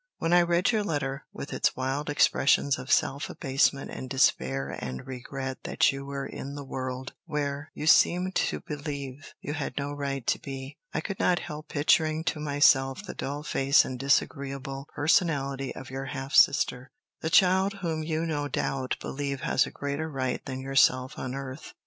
When I read your letter, with its wild expressions of self abasement and despair and regret that you were in the world, where, you seemed to believe, you had no right to be, I could not help picturing to myself the dull face and disagreeable personality of your half sister, the child whom you no doubt believe has a greater right than yourself on earth.